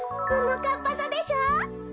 ももかっぱざでしょう？